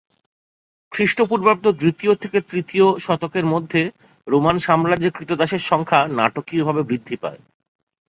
খ্রিষ্টপূর্বাব্দ দ্বিতীয় থেকে তৃতীয় শতকের মধ্যে রোমান সাম্রাজ্যে ক্রীতদাসের সংখ্যা নাটকীয়ভাবে বৃদ্ধি পায়।